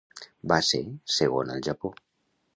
Va ser segon al Japó.